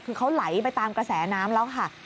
คือเขาไหลไปตามกระแสน้ำแล้วค่ะ